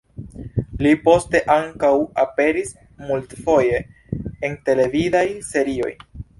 Li poste ankaŭ aperis multfoje en televidaj serioj.